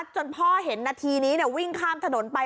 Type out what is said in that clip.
จนพ่อเห็นนาทีนี้วิ่งข้ามถนนไป